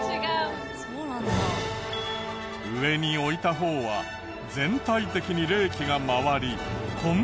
上に置いた方は全体的に冷気が回りこん